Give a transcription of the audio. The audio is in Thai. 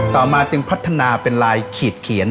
ต่อมาจึงพัฒนาเป็นลายขีดเขียน